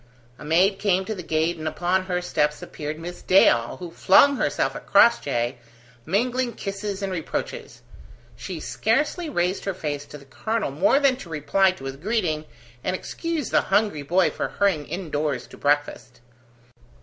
A maid came to the gate, and upon her steps appeared Miss Dale, who flung herself at Crossjay, mingling kisses and reproaches. She scarcely raised her face to the colonel more than to reply to his greeting, and excuse the hungry boy for hurrying indoors to breakfast.